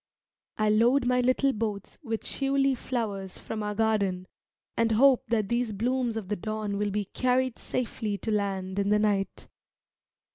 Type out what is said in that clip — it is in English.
I load my little boats with shiuli flowers from our garden, and hope that these blooms of the dawn will be carried safely to land in the night.